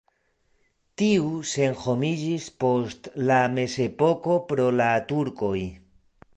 Tiu senhomiĝis post la mezepoko pro la turkoj.